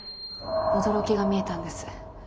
「驚き」が見えたんです。